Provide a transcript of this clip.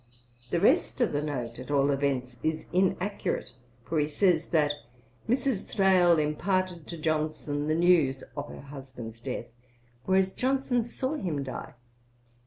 The rest of the note, at all events, is inaccurate, for he says that 'Mrs. Thrale imparted to Johnson the news [of her husband's death],' whereas Johnson saw him die.